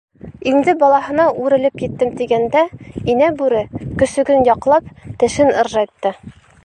- Инде балаһына үрелеп еттем тигәндә, инә бүре, көсөгөн яҡлап, тешен ыржайтты.